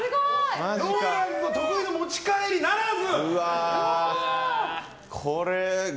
ＲＯＬＡＮＤ得意の持ち帰りならず！